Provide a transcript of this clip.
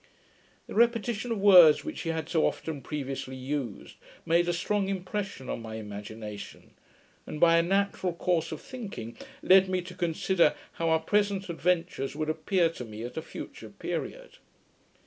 The repetition of words which he had so often previously used, made a strong impression on my imagination; and, by a natural course of thinking, led me to consider how our present adventures would appear to me at a future period.